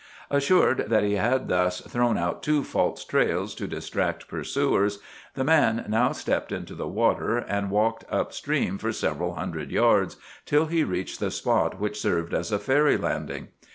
Assured that he had thus thrown out two false trails to distract pursuers, the man now stepped into the water, and walked up stream for several hundred yards, till he reached the spot which served as a ferry landing.